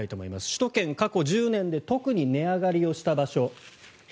首都圏、過去１０年で特に値上がりをした場所。